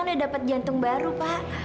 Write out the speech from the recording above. tidak amat baik